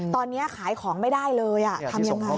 ตอนนี้ขายของไม่ได้เลยทำยังไง